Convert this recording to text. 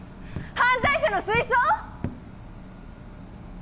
犯罪者の水槽？